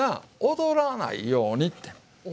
踊らないように。